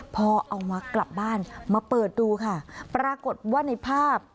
พอเอามักกลับบ้านมาเปิดดูค่ะปรากฏว่าในภาพ